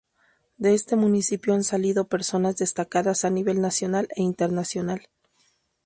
De este municipio han salido personas destacadas a nivel nacional e internacional.